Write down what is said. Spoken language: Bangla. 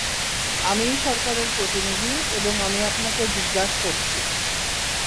আমিই সরকারের প্রতিনিধি এবং আমি আপনাকে জিজ্ঞাস করছি।